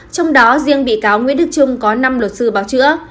trong đó riêng bị cáo nguyễn đức trung có năm luật sư